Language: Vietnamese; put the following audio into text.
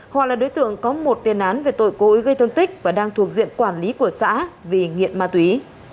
hòa là đối tượng có một tiền án về tội cố ý gây thương tích và đang thuộc diện quản lý của xã vì nghiện ma túy